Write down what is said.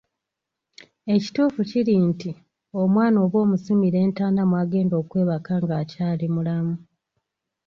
Ekituufu kiri nti, omwana oba omusimira entaana mwagenda okwebaaka ng'akyali mulamu.